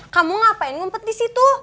kamu ngapain ngumpet disitu